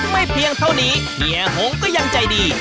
เพียงเท่านี้เฮียหงก็ยังใจดี